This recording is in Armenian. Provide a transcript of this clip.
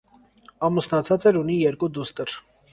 Ամուսնացած էր, ունի երկու դուստր։